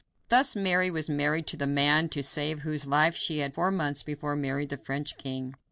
Thus Mary was married to the man to save whose life she had four months before married the French king.